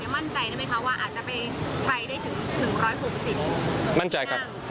มั้นใจได้ไหมคะว่าอาจจะไปไกลได้ถึง๑๖๐